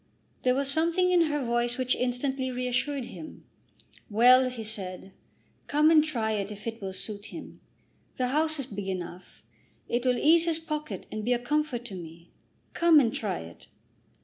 There was something in her voice which instantly reassured him. "Well ;" he said; "come and try it if it will suit him. The house is big enough. It will ease his pocket and be a comfort to me. Come and try it."